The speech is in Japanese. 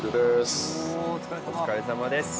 お疲れさまです！